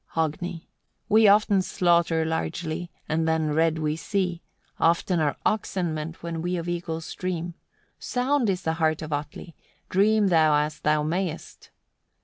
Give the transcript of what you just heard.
Hogni. 20. "We often slaughter largely, and then red we see: often are oxen meant, when we of eagles dream. Sound is the heart of Atli, dream thou as thou mayest."